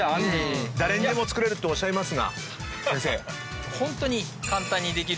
誰にでも作れるっておっしゃいますが先生。